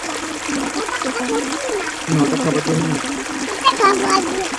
তবে নাটক তখনো বাকি ছিল এবং সেই নাটক মঞ্চস্থ করলেন লেজের দিকের ব্যাটসম্যানরা।